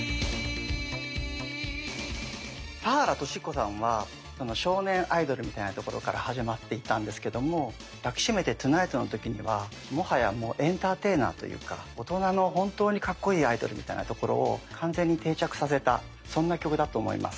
田原俊彦さんは少年アイドルみたいなところから始まっていったんですけども「抱きしめてＴＯＮＩＧＨＴ」の時にはもはやもうエンターテイナーというか大人の本当にカッコイイアイドルみたいなところを完全に定着させたそんな曲だと思います。